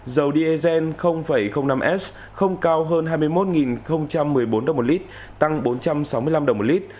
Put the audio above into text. dầu diesel năm s không cao hơn hai mươi một một mươi bốn đồng một lít tăng bốn trăm sáu mươi năm đồng một lít